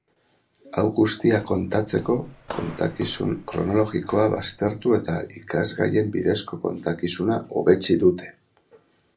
Hau guztia kontatzeko, kontakizun kronologikoa baztertu eta ikasgaien bidezko kontakizuna hobetsi dute.